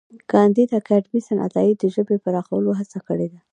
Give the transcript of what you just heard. کانديد اکاډميسن عطايي د ژبې د پراخولو هڅه کړې ده.